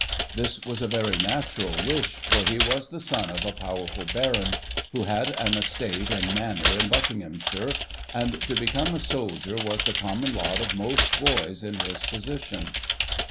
This was a very natural wish, for he was the son of a powerful Baron, who had an estate and 'manor' in Buckinghamshire, and to become a soldier was the common lot of most boys in his position.